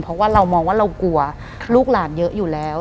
เพราะว่าเรามองว่าเรากลัวลูกหลานเยอะอยู่แล้ว